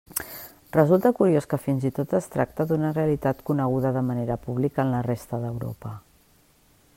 Resulta curiós que fins i tot es tracta d'una realitat coneguda de manera pública en la resta d'Europa.